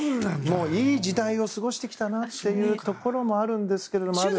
いい時代を過ごしてきたなってところもあるんですけども。